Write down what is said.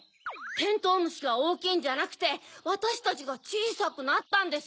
てんとうむしがおおきいんじゃなくてわたしたちがちいさくなったんです！